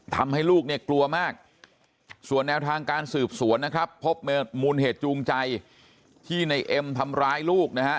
ทำให้ลูกเนี่ยกลัวมากส่วนแนวทางการสืบสวนนะครับพบมูลเหตุจูงใจที่ในเอ็มทำร้ายลูกนะฮะ